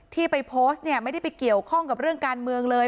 ที่ไปโพสต์เนี่ยไม่ได้ไปเกี่ยวข้องกับเรื่องการเมืองเลย